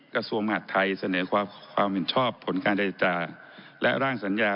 กระทรวงมหาดไทยเสนอความเห็นชอบผลการเจรจาและร่างสัญญา